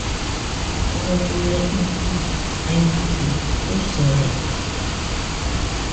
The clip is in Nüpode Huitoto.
Oo jue igoɨ aimakɨ userena.